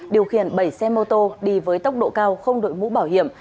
điều khiển bảy xe mô tô đi với tốc độ cao không đội mũ bảo hiểm